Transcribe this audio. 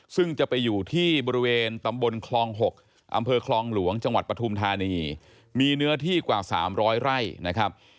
ซึ่งจะไปอยู่ที่บริเวณตำบลคลอง๖อำเภอคลองหลวงจังหวัดปฐุมธานีมีเนื้อที่กว่า๓๐๐ไร่นะครับ